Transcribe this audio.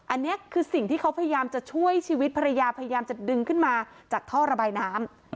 อันนี้คือสิ่งที่เขาพยายามจะช่วยชีวิตภรรยาพยายามจะดึงขึ้นมาจากท่อระบายน้ำ